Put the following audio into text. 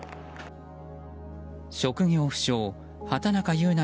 職業不詳畑中優奈